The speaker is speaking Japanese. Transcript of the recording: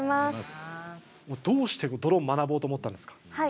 どうしてドローン学ぼうと思ったんですか？